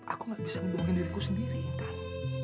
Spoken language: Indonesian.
aku gak bisa membuang diriku sendiri intan